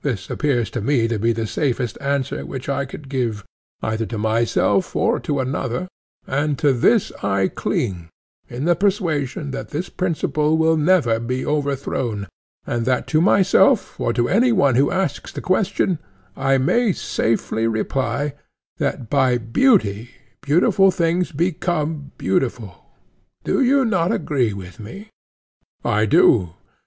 This appears to me to be the safest answer which I can give, either to myself or to another, and to this I cling, in the persuasion that this principle will never be overthrown, and that to myself or to any one who asks the question, I may safely reply, That by beauty beautiful things become beautiful. Do you not agree with me? I do.